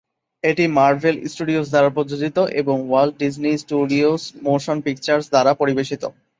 এটি Marvel Studios দ্বারা প্রযোজিত এবং Walt Disney Studios Motion Pictures দ্বারা পরিবেশিত।